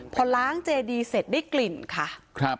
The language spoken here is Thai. พอล้างเจดีเสร็จได้กลิ่นค่ะ